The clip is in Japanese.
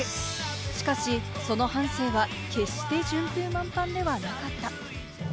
しかし、その半生は決して順風満帆ではなかった。